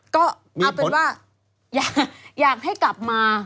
ก็เอาเป็นว่าอยากให้กลับมา